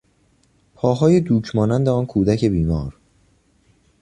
پاهای دوک مانند آن کودک بیمار